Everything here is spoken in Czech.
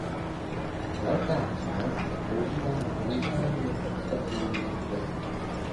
Velká část se používá na míchání s ostatními whisky.